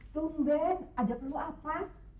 tumben ada perlu apa